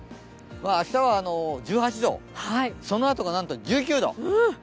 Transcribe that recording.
明日は１８度、そのあとがなんと１９度！